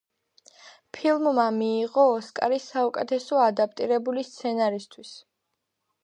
ფილმმა მიიღო ოსკარი საუკეთესო ადაპტირებული სცენარისთვის.